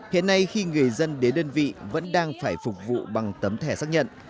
hiện nay khi người dân đến đơn vị vẫn đang phải phục vụ bằng tấm thẻ xác nhận